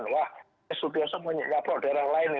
wah ini studioso mau nyelabrak daerah lain ini